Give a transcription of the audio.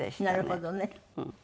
なるほどね。